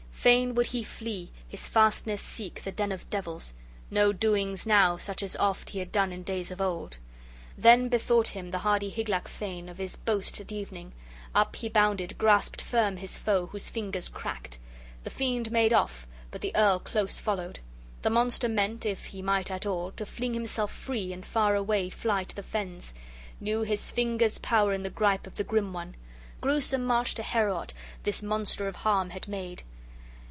Fain would he flee, his fastness seek, the den of devils: no doings now such as oft he had done in days of old! Then bethought him the hardy Hygelac thane of his boast at evening: up he bounded, grasped firm his foe, whose fingers cracked. The fiend made off, but the earl close followed. The monster meant if he might at all to fling himself free, and far away fly to the fens, knew his fingers' power in the gripe of the grim one. Gruesome march to Heorot this monster of harm had made!